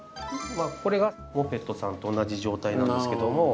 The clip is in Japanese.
これがモペットさんと同じ状態なんですけども。